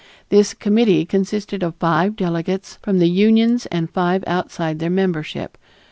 This committee consisted of five delegates from the unions and five outside their membership.